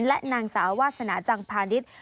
และนางสาววาสนาจังพาณิชย์